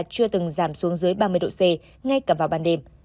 chưa từng giảm xuống dưới ba mươi độ c ngay cả vào ban đêm